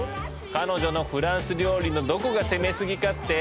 彼女のフランス料理のどこが攻めすぎかって？